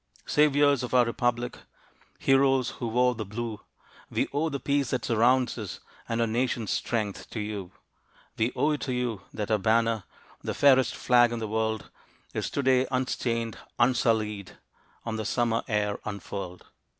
Saviors of our Republic, Heroes who wore the blue, We owe the peace that surrounds us And our Nation's strength to you. We owe it to you that our banner, The fairest flag in the world, Is to day unstained, unsullied, On the Summer air unfurled.